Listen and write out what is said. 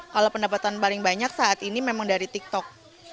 kalau pendapatan paling banyak saat ini memang dari tiktok